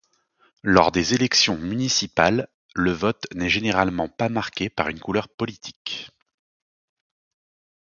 Lors des élections municipales, le vote n’est généralement pas marqué par une couleur politique.